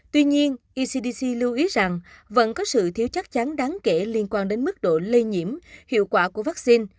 tuy nhiên ecdc lưu ý rằng vẫn có sự thiếu chắc chắn đáng kể liên quan đến mức độ lây nhiễm hiệu quả của vaccine